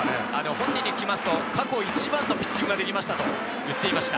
本人に聞きますと、過去一番のピッチングができましたと言っていました。